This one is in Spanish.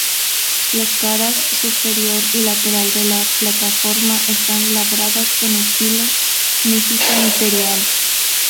Las caras superior y lateral de la plataforma están labradas con estilo "mexica imperial".